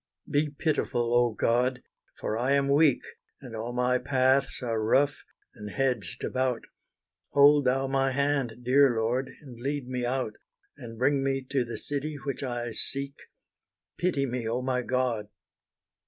Be pitiful, oh God! for I am weak, And all my paths are rough, and hedged about, Hold Thou my hand dear Lord, and lead me out, And bring me to the city which I seek, Pity me, oh my God!